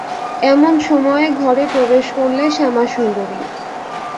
এমন সময়ে ঘরে প্রবেশ করলে শ্যামাসুন্দরী।